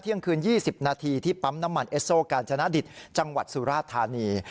เที่ยงคืน๒๐นาทีที่ปั๊มน้ำมันเอสโซกาญจนดิตจังหวัดสุราธานี